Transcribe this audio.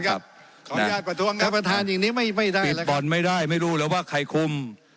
ขออนุญาตประทวงครับปริบบอลไม่ได้ไม่รู้เลยว่าใครคุม